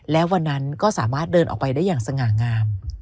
และวันนั้นก็สามารถเดินออกไปได้อย่างสง่างาม